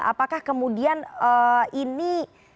apakah kemudian ini